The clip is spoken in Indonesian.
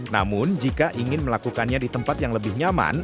namun jika ingin melakukannya di tempat yang lebih nyaman